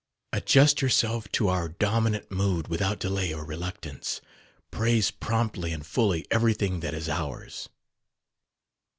"Adjust yourself to our dominant mood without delay or reluctance. Praise promptly and fully everything that is ours."